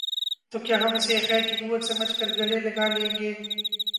تو کیا ہم اسے خیر کی قوت سمجھ کر گلے لگا لیں گے؟